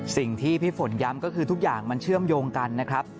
สิ่งที่พี่ฝนย้ำก็คือทุกอย่างมันเชื่อมโยงกันนะครับ